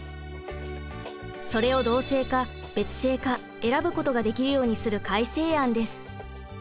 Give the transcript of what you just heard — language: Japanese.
それを同姓か別姓か選ぶことができるようにする改正案です。